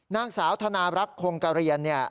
นางสาวธนารักษ์โครงกระเรียน